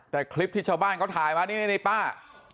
แต่คลิปที่ชาวบ้านเขาถ่ายมานี่ป้า